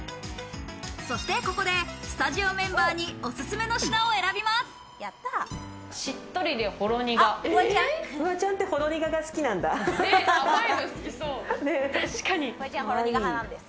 そしてここでスタジオメンバーにオススメの品を選びます。